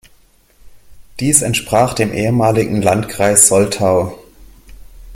Dies entsprach dem ehemaligen Landkreis Soltau.